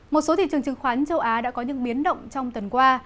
một số thị trường chứng khoán châu á đã có những biến động trong tuần qua